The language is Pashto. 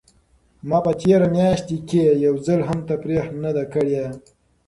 ما په تېره میاشت کې یو ځل هم تفریح نه ده کړې.